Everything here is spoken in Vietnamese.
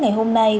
ngày hôm nay